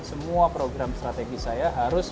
semua program strategis saya harus